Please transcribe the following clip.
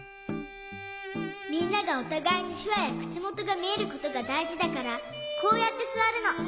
みんながおたがいにしゅわやくちもとがみえることがだいじだからこうやってすわるの。